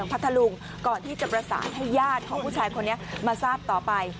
พัทธลุงก่อนที่จะประสานให้ญาติของผู้ชายคนนี้มาทราบต่อไป